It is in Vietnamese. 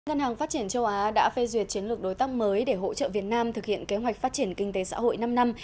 ngân hàng phát triển châu á đã phê duyệt chiến lược đối tác mới để hỗ trợ việt nam thực hiện kế hoạch phát triển kinh tế xã hội năm năm